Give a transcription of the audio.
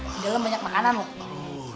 di dalam banyak makanan waktu